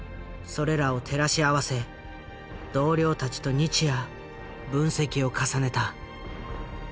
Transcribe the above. それらを照らし合わせ同僚たちと日夜分析を重ねた。